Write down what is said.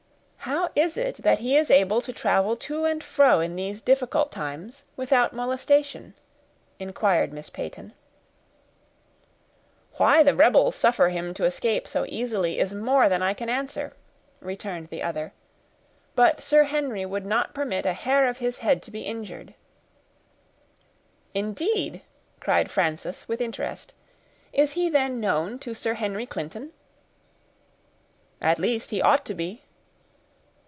"How is it that he is able to travel to and fro in these difficult times, without molestation?" inquired Miss Peyton. "Why the rebels suffer him to escape so easily, is more than I can answer," returned the other; "but Sir Henry would not permit a hair of his head to be injured." "Indeed!" cried Frances, with interest. "Is he then known to Sir Henry Clinton?" "At least he ought to be."